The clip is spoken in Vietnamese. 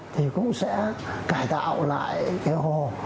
thì cũng sẽ cải tạo lại cái hồ